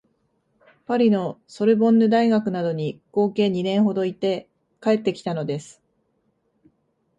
パリのソルボンヌ大学などに合計二年ほどいて帰ってきたのです